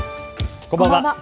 こんばんは。